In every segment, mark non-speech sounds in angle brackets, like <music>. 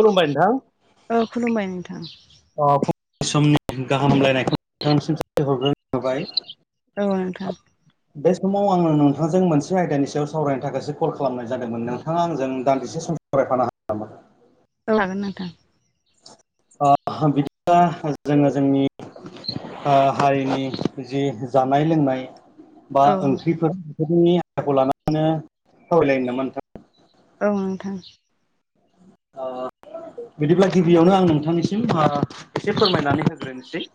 खुलुमबाय नोंथां औ खुलुमबाय नोंथां फुं समनि गाहाम हामलायनायखौ नोंथांसिम हरग्रोनाय जाबाय औ नोंथां। बे समाव आङो नोंथांजों मोनसे आयदानि सायाव सावरायनो थाखायसो कल खालामनाय जादोंमोन नोंथाङा आंजों दान्दिसे सम सावरायफानो हायो। औ हागोन नोंथां। बिदिब्ला जोङो जोंनि हारिनि जि जानाय लोंनाय बा औ ओंख्रिफोर बेफोरनि आखौ लानानैनो सावरायलायनो नामा नोंथां औ नोंथां। औ। बिदिब्ला गिबियावनो आं नोंथांनिसिम एसे फोरमायनानै होग्रोनोसै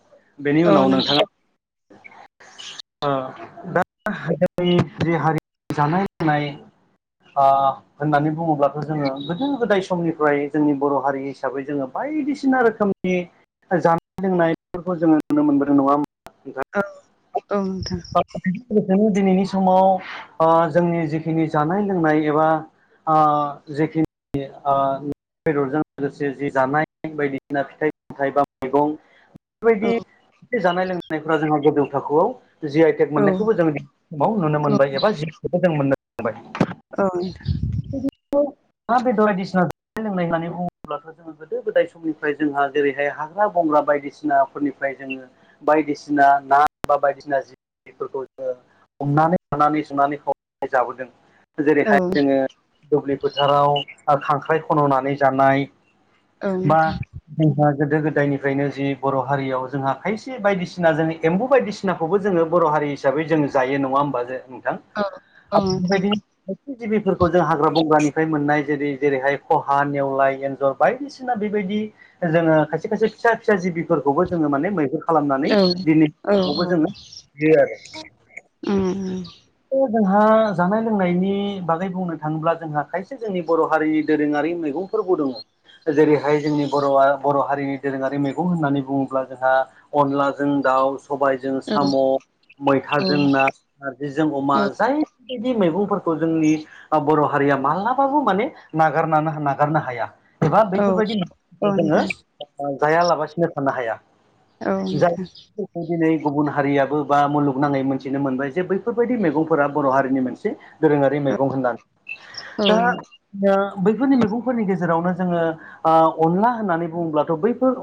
बेनि औ उनाव नोंथां नोंथाङा दा हारिनि जानाय लोंनाय ओ होननानै बुङोब्लाथ' जोङो गोदो गोदाय समनिफ्राय जोंनि बर' हारि हिसाबै जोङो बायदिसिना रोखोमनि जानाय लोंनायफोरखौ जोङो नुनो मोनबोदों नङा। होमबा औ औ नोंथां बेदिनो‌ दिनैनि समाव ओ जोंनि जिखिनि जानाय लोंनाय एबा ओ जेखिनि ओ बेदरजों लोगोसे जि जानाय बायदिसिना फिथाइ सामथाइ बा मैगं औ बेबायदि जानाय लोंनायफ्रा जोङो गोजौ थाखोआव जि आइ टेक औ मोननायखौबो जोङो समाव नुनो मोनबाय एबा जिउखौबो जों मोननो हाबाय औ नोंथां अमा बेदर बायदिसिना जानाय लोंनाय होननानै बुङोब्लाथ' जों गोदो गोदाय समनिफ्राय जोंहा जेरैहाय हाग्रा बंग्रा बायदिसिनाफोरनिफ्राय जोङो बायदिसिना ना बा बायदिसिना जि फोरखौ जोङो हमनानै हानानै सुनानै खावनानै जाबोदों औ जेरैहाय जोङो‌ दुब्लि फोथाराव ओ खांख्राइ खन'नानै जानाय बा जोंहा गोदो गोदायनिफ्रायनो जि बर' हारिआव जोंहा खायसे बायदिसिना जोंनि एम्बु बायदिसिनाखौबो जोङो बर' हारि हिसाबै जों जायो नङा होमबा जो नोंथां औ नोंथां बेबायदि खायसे जिबिफोरखौ जों हाग्रा बंग्रानिफ्राय मोननाय जेरै जेरैहाय खहा नेवलाय एन्जर बायदिसिना बेबादि जोङो खायसे खायसे फिसा फिसा जिबिफोरखौबो जोङो माने मैहुर खालामनानै औ दिनै औ नोंथां औ समावबो जोङो जायो आरो उम उम थ' जोंहा जानाय लोंनायनि बागै बुंनो थाङोब्ला जोंहा खायसे जोंनि बर' हारिनि दोरोंआरि मैगं फोरबो दङ जेरैहाय जोंनि बर'आ बर' हारिनि दोरोंआरि मैगं होननानै बुङोब्ला जोंहा अनलाजों दाउ सबायजों औ साम' औ मैथाजों ना जों अमा जायबायदि मैगंफोरखौ जोंनि बर' हारिआ मालाबाबो माने नागार नागारनो हाया एबा औ औ बैफोरबायदि जोङो नोंथां ओ जायालाबासिनो थानो हाया औ जाय नोंथां दिनै गुबुन हारिआबो बा मुलुगनाङै मोनथिनो मोनबाय जे बै बेफोरबादि मैगंफोरा बर' हारिनि मोनसे दोरोंआरि औ मैगं होननानै औ दा नोंथां ओ बैफोरनि मैगंफोरनि गेजेरावनो जोङो ओ अनला होननानै बुङोब्लाथ' बैफोर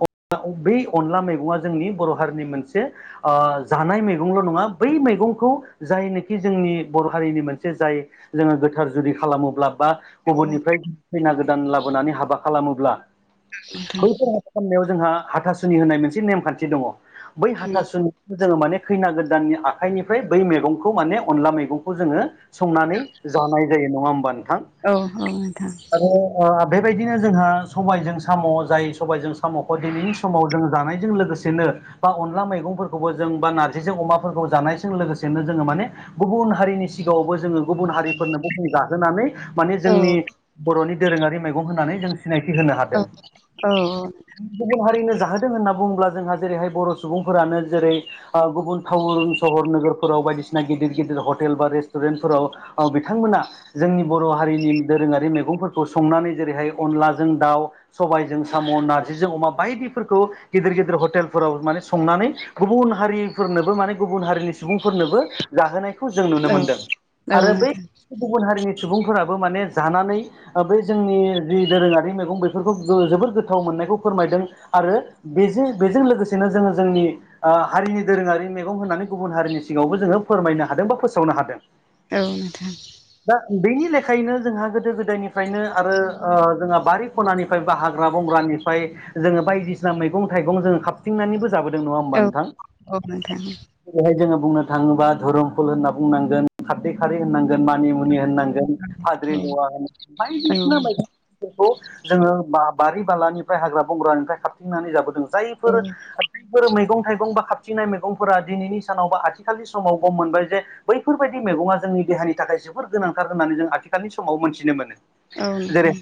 बे अनला मैगंआ जोंनि बर' हारिनि मोनसे ओ जानाय मैगंल' नङा बै मैगंखौ जायनाखि जोंनि बर' हारिनि मोनसे जाय जोङो गोथार जुदि खालामोब्ला बा औ गुबुननिफ्राय खैना गोदान लाबोनानै हाबा खालामोब्ला औ नोंथां खालामनायाव जोंहा हाथासुनि होननाय मोनसे नेमखान्थि दङो बै औ हाथासुनि जोङो माने खैना गोदाननि आखाइनिफ्राय बै मैगंखौ माने अनला मैगंखौ जोङो संनानै जानाय जायो नङा होमबा नोंथां औ औ नोंथां आरो ओ बेबायदिनो जोंहा सबायजों साम' जाय सबायजों साम'खौ दिनैनि समाव जोङो जानाय लोगोसेनो बा अनला मैगंफोरखौबो जों बा नारजिजों अमाफोरखौ जानायजों लोगोसेनो जोङो माने गुबुन हारिनि सिगांआवबो जोङो गुबुन हारिफोरनोबो जाहोनानै माने जोंनि बर'नि दोरोंआरि मैगं होनानै जों सिनायथि होनो हादों औ नोंथां गुबुन हारिनो जाहोदों होनना बुङोब्ला जोंहा जेरैहाय बर' सुबुंफोरानो जेरै ओ गुबुन टाउन सहर नोगोरफोराव बायदिसिना बायदिसिना गिदिर गिदिर हटेल बा रेस्टुरेन्टफोराव ओ बिथांमोना जोंनि बर' हारिनि दोरोआरि मैगंफोरखौ संनानै जेरैहाय अनलाजों दाउ सबायजों साम' नार्जिजों अमा बायदिफोरखौ गिदिर गिदिर हटेलफोराव माने संनानै गुबुन हारिफोरनोबो माने गुबुन हारिनि सुबुंफोरनोबो जाहोनायखौ जों नुनो मोनदों औ आरो औ नोंथां बे गुबुन हारिनि सुबुंफोराबो माने जानानै ओ बे जोंनि जि दोरोंआरि मैगं बेफोरखौ जोबोर गोथाव मोननायखौ फोरमायदों आरो बेजो बेजों लोगोसेनो जोङो जोंनि ओ हारिनि दोरोंआरि मैगं होननानै गुबुन हारिनि सिगांआवबो जोङो फोरमायनो हादों बा फोसावनो हादों औ नोंथां। दा बेनि लेखायैनो जोंहा गोदो गोदायनिफ्रायनो आरो जोंहा बारि खनानिफ्राय बा हाग्रा बंग्रानिफ्राय जोङो बायदिसिना मैगं थाइगं जोङो खाबथिंनानैबो जाबोदों नङा होमबा औ नोंथां। औ बेेरहाय जोङो बुंनो थाङोबा धोरोमफुल होनना बुंनांगोन खारथि खारि होननांगोन मा। नि मुनि होननांगोन हाद्रि जवा होनांग बायदिसिना बायदि खौ जोङो बारि बालानिफ्राय हाग्रा बंग्रानिफ्राय हाबथिंनानै जाबोदों जायफोर फोर मैगं थाइगं बा खााबथिंनाय मैगंफोरा दिनैनि सानाव बा आथिखालनि समाव गम मोनबाय जे बैफोरबायदि मैगङा जोंनि देहानि थाखाय जोबोर गोनांथार होननानै जों आथिखालनि समाव मोन्थिनो मोनो जेरै नोंथां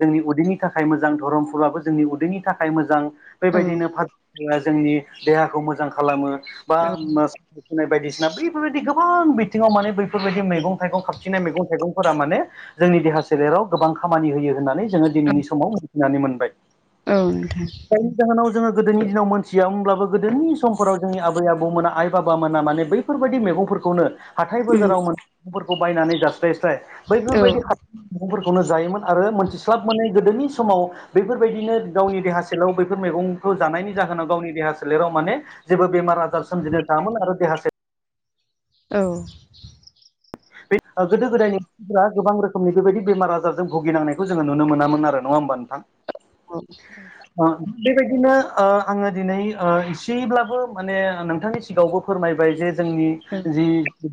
जोंनि उदैनि थाखाय मोजां धरमफोरबो जोंनि उदैनि थाखाय मोजां औ बेबायदिनो फा जोंनि देहाखौ मोजां खालामो बा औ सानायानाय सुनाय बायदिसिना बैफोरबायदि गोबां बिथिङाव माने बैफोरबायदि मैगं थाइगं खााबथिननाय मैगं थाइगंफोरा माने जोंनि देहा सोलेराव गोबां खामानि होयो होननानै जोङो दिनैनि समाव मिथिनानै मोनबाय औ नोंथां जायनि जाहोनाव जोङो गोदोनि दिनाव मोनन्थियामोमब्लाबो गोदोनि समफोराव जोंनि आबै आबौमोना आइ बाबा मोना माने बै बैफोरबायदि मैगंफोरखौनो हाथाय उम बाजाराव मोनसे मैगंफोरखौ बायनानै जास्ल्रायस्ल्राय औ बैफोरबायदि फोरखौनो जायोमोन आरो मोनथिस्लाब माने गोदोनि समाव बेफोरबायदिनो गावनि देहा सोलेराव बैफोर मैगंखौ जानायनि जाहोनाव गावनि देहा सोलेराव माने जेबो बेमार आजार सोमजिनो थामोन आरो देहा औ बे गोदो गोदायनि गोबां रोखोमनि बेबायदि बेमार आजारजों भुगिननाय जोङोुनो मोनामोन नङा होमबा नोंथां? औ औ बेबायदिनो आङो दिनै एसेब्लाबो माने नोंथांनि सि गावबो फोरमायबाय जे जोंनि औ जि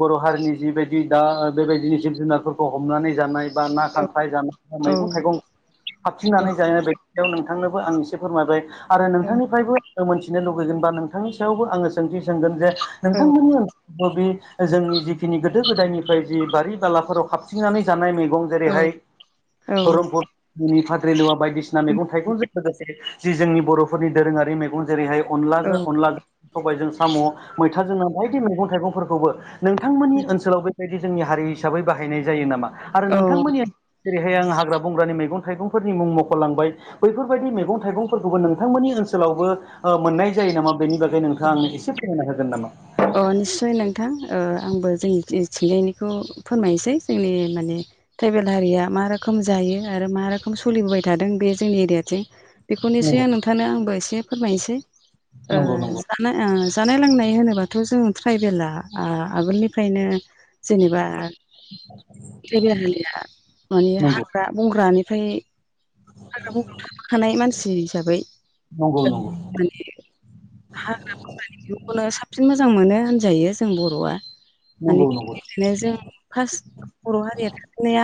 बर' हारिनि जिबायदि दा बेबायदिनो जिब जुनारफोरखौ हमनानै जानाय। बा ना खांख्राय जानाया औ मैगं थाइगं औ हाबफिननानै जायो बेायाव नोंथांनोबो आं एसे फोरमायबाय आरो औ नोंथांनिफ्रायबो मोनथिनो लुगैगोन बा नोंथांनि सायावबो आङो सोंथि सोंगोन जे नोंथांमोननि बे जोंनि जिखिनि गोदो गोदायनिफ्राय जि बारि बालाफोराव हाबथिंनानै जानाय मैगं जेरैहाय औ धरमपुरनि फाथ्रिलुवा बायदिसिना मैगं थाइगंजों लोगोसे। जि जोंनि बर'फोरनि दोरोङारि मैगं जेरैहाय औ अनलाजों अनलाजों सबायजों साम' मैथाजों नना बायदि मैगं थाइगंफोरखौबो नोंथांमोननि ओनसोल बेबायदि जोंनि हारि हिसाबै बाहायनाय जायो नामा आरो औ नोंथांमोननि जेरैहाय आं हाग्रा बंग्रानि मैगं थाइगंफोरनि मुं मुंखलांबाय बैफोरबायदि मैगं थाइगंफोरखौबो नोंथांमोननि ओनसोलावबो मोननाय जायो नामा बेनि बागै नोंथाङांनो एसे फोरमायना होगोन नामा अ निस्सय नोंथां आंबो जोंनि थिंजायनिखौ फोरमायनोसै जोंनि माने ट्राइबेल हारिया मा रोखोम जायो आरो मा रोखोम सोलिबोबाय थादों बे जोंनि एरियाथिं बेखौ निसय होगोन आं नोंथांनो आंबो एसे फोरमायनोसै नामा नंगौ जानाय लोंनाय होनोबा दाथ' जों ट्राइबेला आगोलनिफ्रायनो जेनेबा बेगेरलिया माने हाग्रा बंग्रानिफ्राय आ बाव थाखानाय मानसि हिसाबै नंगौ नंगौ माने हाग्रा बनाय'खौनो साबसिन मोजां मोनो होनजायो जों बर'आ नंगौ माने नंगौ नो जों फार्स्ट बर' हारिया थिनाया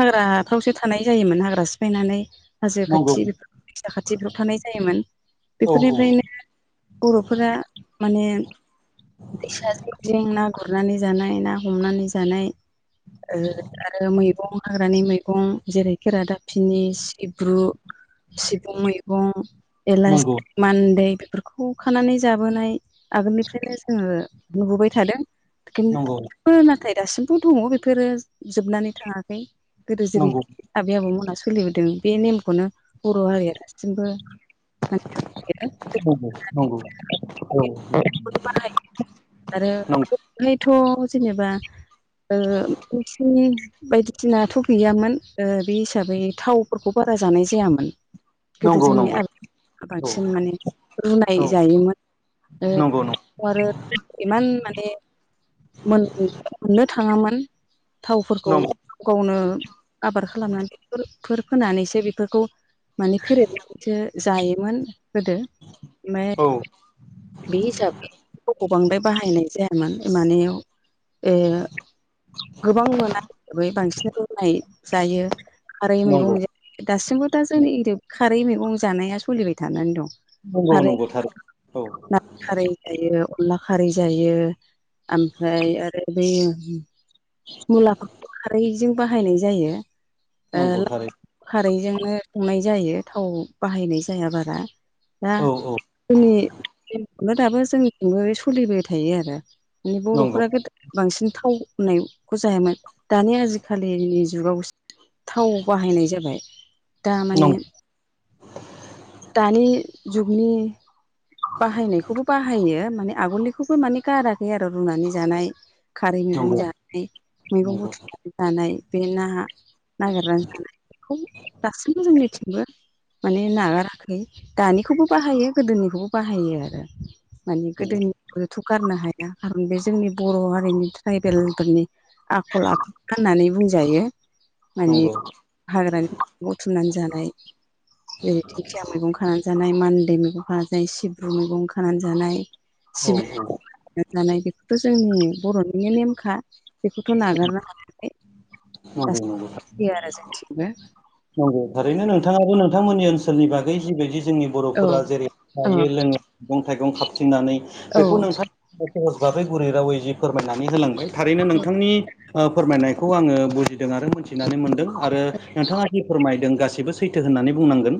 हाग्रा थावसो थानाय जायोमोन हाग्रा सिफायनानै हाजो खाथि नंगौ बेफोर फसा खाथि बेफोराव थानाय जायोमोन औ औ बेफोरनिफ्रायनो बर'फोरा माने दैसाजोंं ना गुरनानै जानाय ना हमनानै जानाय आरो मैगं हाग्रानि मैगं जेरै खेरादाफिनि सिब्रु सिबुं मैगं नंगौ एलासि मान्दै बेफोरखौ खानानै जाबोनाय आगोलनि खायनो जोङो नुबोबाय थादों। नंगौ नाथाय दासिमथ' दङ बेफोरो जोबनानै थाङाखै गोदो जिरिै नंगौ आबै आबौमोनहा सोलिबोदों बे नेमखौनो बर' हारिया गासिमबो मान नंगौ नंगौ औ बाहायो आरो नंगौ बेहायथ' जेनेबा मेसिन बायदिसिनाथ' गैयामोन। बे हिसाबै थावफोरखौ बारा जानाय जायामोन। गोदो नंगौ जोंनि आ औ बांसिन माने औ रुनाय जायोमोन। नंगौ आरो इमान माने मोन मोननो थाङामोन। थावफोरखौ नंगौ नंगौ गाव गावनो आबाद खालामनानै बे फोर फोनानैसो बेफोरखौ माने फेरेदनानैसो जायोमोन। गोदो औ ओमफ्राय बे हिसाबैखौ बांद्राय बाहायनाय जायामोन माने गोबां मोना हिसाबै बांसिन रोंनाय जायो। खारै नंगौ मैगं दासिमबो दा जोंनि एरियायाव खारै मैगं जानाया सोलिबाय थानानै दं। नंगौ खारै नंगौथार औ ना खारै जायो अनला खारै जायो ओमफ्राय आरो बै मुलाफोरखौ खारैजों बाहायनाय नंगौ जायो। थारै खारैजोंनो संनाय जायो थाव बाहायनाय जाया बारा दा औ औ जोंनिनो दाबो जोंजोंबो सोलिबाय थायो आरो माने नंगौ बर'फोरा बांसिन थाव होननायखौ जायामोन दानि आजिखालिनि जुगाव थाव बाहायनाय जाबाय। दा माने नंगौ दानि जुगनि बाहायनायखौबो बाहायो माने आगोलनिखौबो माने गाराखै आरो रुनानै जानाय खारै मैगं नंगौ जानाय मैगं नंगौ नंगौ बुथुम जानाय बे ना नागिरनानै जानाय बेखौ दासिमबो जोंनिथिंबो माने नागाराखै दानिखौबो बाहायो गोदोनिखौबो बाहायो आरो माने गोदोनि बेथ गारनो हाया खारन बे जोंनि बर' हारिनि ट्राइबेलफोरनि आखल आखु होननानै बुंजायो माने हाग्रानि बुथुमनानै जानाय जेरै दिंखिया मैगं खानानै जानाय मान्दै मैगं खा जाय सिब्रु मैगं खानानै जानाय औ सिब्रु जानाय बेखौथ' जोंनि बर'निनो नेमखा बेखौथ' नागारनो हाया। खोनादों नंगौ नोंथां। आरो जोंथिंबो नंगौ थारैनो नोंथाङाबो नोंथांमोननि ओनसोलनि बागै जिबायदि जोंनि औ बर'फोरा जेरै औ जायो लोङो मैगं थाइगं खाबफिननानै औ बेखौ नोंथां सहज भागै गुरै रावै जि फोरमायनानै होलांबाय थारैनो नोंथांनि ओ फोरमायनायखौ आङो बुजिदों आरो मोनथिनानै मोनदों आरो नोंथाङा जि फोरमायदों गासिबो सैथो होननानै बुंनांगोन।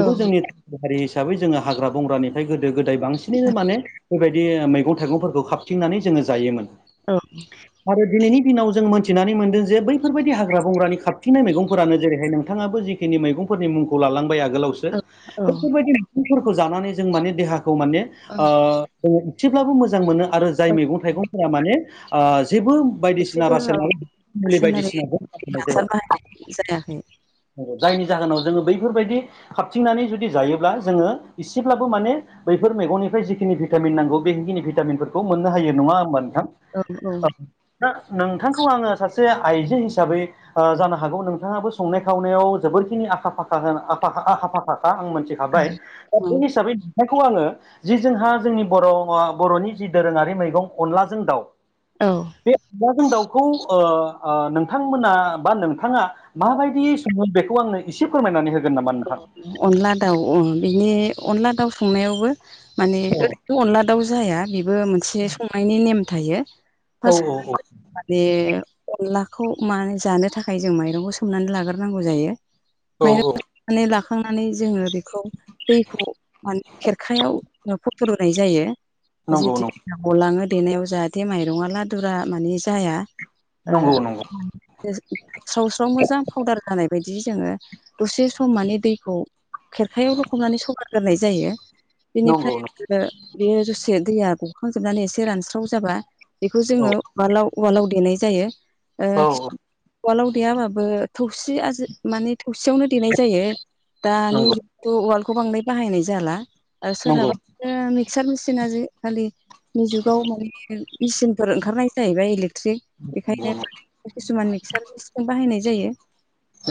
औ जोंनि हारि हिसाबै जोङो हाग्रा बंग्रानिफ्राय गोदो गोदाय बांसिनैनो माने बेबायदि मैगं थाइगंफोरखौ खााबथिंनानै जोङो जायोमोन। औ आरो दिनैनि दिनाव जों मोनथिनानै मोनदों जे बेफोरबायदि हाग्रा बंग्रानि खारफिनाय मैगंफोरानो जेरैहाय नोंथाङाबो जिखिनि मैगंफोरनि मुंखौ लालांबाय आगोलावसो औ औ बफोरबायदि बिफंफोरखौ जानानै जों माने देहाखौ माने ओ जोङो एसेब्लाबो मोजां मोनो आरो जाय औ मैगं थाइगंफोरा माने ओ जेबो बायदिसिना गासैबो रासायनालाय मुलि बायदिसिना रासायनारि हासार बाहायनायनि सोमोन्दै जायनि जाहोनाव जोङो बैफोरबायदि हाबथिंनानै जुदि जायोब्ला जोङो एसेब्लाबो माने बैफोर मेगननिफ्राय जिखिनि भिटामिन नांगौ बेखिनि भिटामिनफोरखौ मोननो हायो नङा होमबा नोंथां औ औ दा नोंथांखौ आङो सासे आइजो हिसाबै जानो हागौ नोंथाङाबो संनाय खावनायाव जोबोरखिनि आखा फाखा होन आखा फाखा आं मोनसे हाबाय दा बे हिसाबै बिथांखौ आङो जि जोंहा जोंनि बर' बर'नि जि दोरोङारि मैगं अनलाजों दाउ औ बे अनलाजों दाउखौ नों नोंथांमोना बा नोंथाङा माबायदि सङो बेखौ आंनो एसे फोरमायनानै होगोन नामा नोंथां अनला दाउ अ बिनि अनला दाउ संनायावबो माने औ ओरैथ अनला दाउ जाया बेबो मोनसे संनायनि नेम थायो औ <unintelligible> माने अनलाखौ मा जानो थाखाय जों माइरंखौ सोमनानै लाग्रोनांगौ जायो <inaudible> माइरंखौ सोखांनानै लाखांनानै जोङो बेखौ दैखौ माने खेरखायाव फसरनाय जायो नंगौ जेथि नं गलांङो देनायाव जाहाथे माइरङा लादुरा माने जाया नंगौ नंगौ स्राव स्राव मोजां फावदार जानाय बायदि जोङो दसे सम माने दैखौ खेरखायाव लखबनानै सरना दोननाय जायो नंगौ बेनिफ्राय बेयो दसे दैया गखांजोबनानै एसे रानस्राव जाबा बेखौ नंगौ औ जोङो उवालाव उवालाव देनाय जायो औ उवालाव देयाबाबो थौसि आ माने थौसियावनो देनाय जायो दानि नंगौ ' उवालखौ बांद्राय बाहायनाय जाला आरो नंगौ सोरहाबा मिक्सार मेसिना आजिखालि नि जुगाव माने मेचिनफोर ओंखारनाय जाहैबाय इलेक्ट्रिक नंगौ बेखायनो किसुमान मिक्सार मेसिन बाहायनाय जायो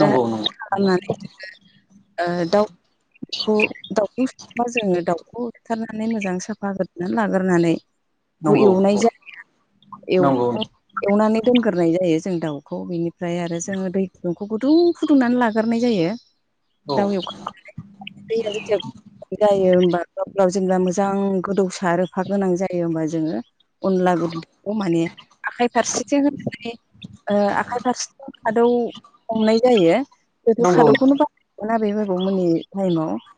दा नंगौ खालामनानै दाउखौ दाउखौ जोङो दाउखौ बोथारनानै मोजां साफाखालामना लाग्रोनानै बे नंगौ एवनाय औ जायो नंगौ एवखां एवनानै दोनग्रोनाय जायो जों दाउखौ बेनिफ्राय आरो जोङो दै गुदुंखौ गुदुं फुदुंनानै लागोरोनाय जायो औ दाउ एवखांनानै दैया जाहाथे जायो होमबा ग्लाव ग्लाव जेनेबा मोजां गोदौसा रोफा गोनां जायो होमबा जोङो अनला गुन्दैखौ माने आखाइ फारसेथिं होननानै आखाइ फारसेथिं खादौ हमनाय जायो बेथु नंगौ खादौखौनो बाहायोमोन बे आबौमोननि टाइमाव